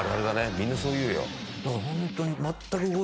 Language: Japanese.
みんなそう言うよ。